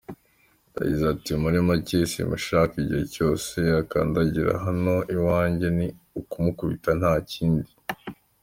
Yagize ati “Muri make simushaka, igihe cyose azakandagira hano iwanjye ni ukumukubita nta kindi.